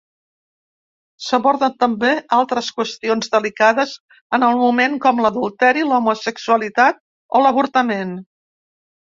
S'aborden també altres qüestions delicades en el moment com l'adulteri, l'homosexualitat o l'avortament.